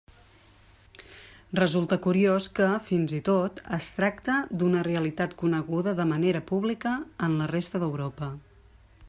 Resulta curiós que fins i tot es tracta d'una realitat coneguda de manera pública en la resta d'Europa.